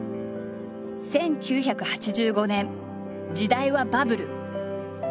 １９８５年時代はバブル。